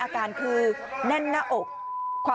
ไม่รู้อะไรกับใคร